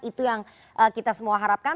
itu yang kita semua harapkan